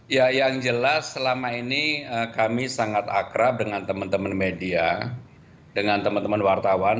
ya yang jelas selama ini kami sangat akrab dengan teman teman media dengan teman teman wartawan